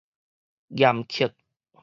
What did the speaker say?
嚴刻